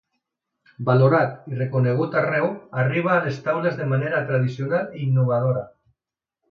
Valorat i reconegut arreu arriba a les taules de manera tradicional i innovadora.